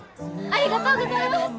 ありがとうございます！